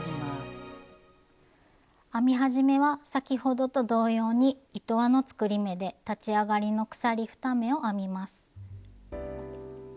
編み始めは先ほどと同様に糸輪の作り目で立ち上がりの鎖２目を編みます。